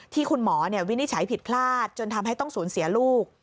ที่คุณหมอวินิจฉัยผิดพลาดจนทำให้ต้องสูญเสียลูก